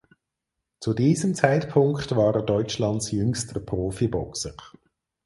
Zu diesem Zeitpunkt war er Deutschlands jüngster Profiboxer.